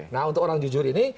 nah untuk orang jujur ini